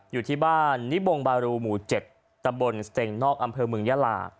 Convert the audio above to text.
อยู่ที่บ้านนิบงบารูหมู่๗ตำบลสเต็งนอกอำเภอเมืองยาลา